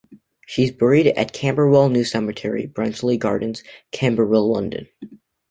She is buried at Camberwell New Cemetery, Brenchley Gardens, Camberwell, London.